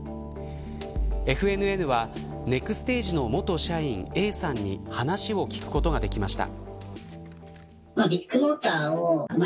ＦＮＮは、ネクステージの元社員Ａさんに話を聞くことができました。